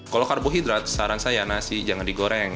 kalau karbohidrat saran saya nasi jangan digoreng